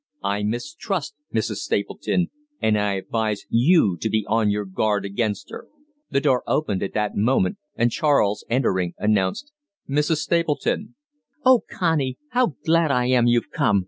I mistrust Mrs. Stapleton, and I advise you to be on your guard against her." The door opened at that moment, and Charles, entering, announced: "Mrs. Stapleton." "Oh, Connie, how glad I am you've come!"